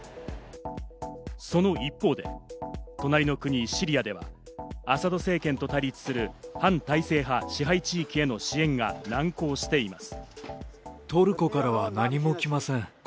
その一方で、隣の国シリアでは、アサド政権と対立する反体制派支配地域への支援が難航しています。